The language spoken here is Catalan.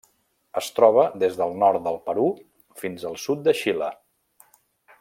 Es troba des del nord del Perú fins al sud de Xile.